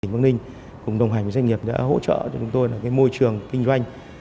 bắc ninh cùng đồng hành với doanh nghiệp đã hỗ trợ cho chúng tôi môi trường kinh doanh